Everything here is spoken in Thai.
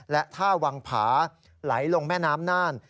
และท่าวังผาไหลลงแม่น้ำน่าน